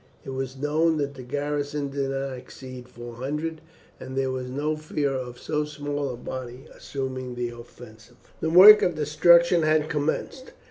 It was known that the garrison did not exceed four hundred men, and there was no fear of so small a body assuming the offensive. The work of destruction had commenced.